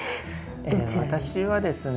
私はですね